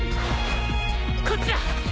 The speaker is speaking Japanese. こっちだ！